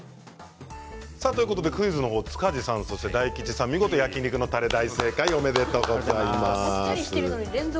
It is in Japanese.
クイズは塚地さん大吉さん、見事焼き肉のたれ正解でした、おめでとうございます。